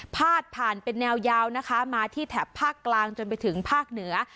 พาดผ่านเป็นแนวยาวนะคะมาที่แถบภาคกลางจนไปถึงภาคเหนือ